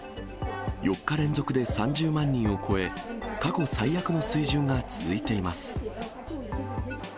４日連続で３０万人を超え、過去最悪の水準が続いています。